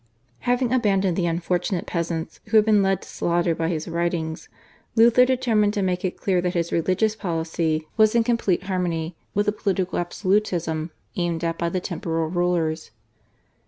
Having abandoned the unfortunate peasants who had been led to slaughter by his writings, Luther determined to make it clear that his religious policy was in complete harmony with the political absolutism aimed at by the temporal rulers.